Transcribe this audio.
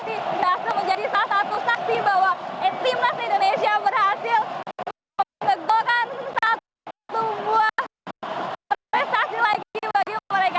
ini berhasil menjadi salah satu saksi bahwa timnas indonesia berhasil mempergokan satu buah prestasi lagi bagi mereka